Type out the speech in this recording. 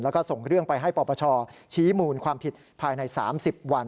แล้วก็ส่งเรื่องไปให้ปปชชี้มูลความผิดภายใน๓๐วัน